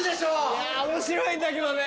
いや面白いんだけどね。